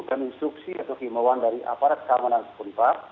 dan instruksi atau keimauan dari aparat keamanan ke empat belas